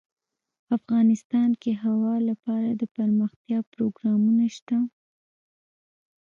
افغانستان کې د هوا لپاره دپرمختیا پروګرامونه شته.